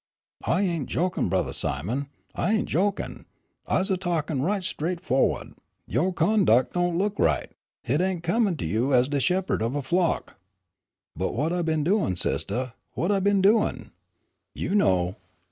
"I ain' jokin', Brothah Simon, I ain' jokin', I's a talkin' right straightfo'wa'd. Yo' conduc' don' look right. Hit ain' becomin' to you as de shepherd of a flock." "But whut I been doin', sistah, whut I been doin'?" "You know."